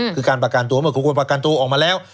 คือการประกันตัวเมื่อคุณควรประกันตัวออกมาแล้ว